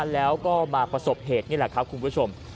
แล้วก็มาประสบเหตุนี่แหละครับคุณผู้ชม